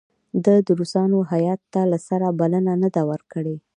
ده د روسانو هیات ته له سره بلنه نه ده ورکړې.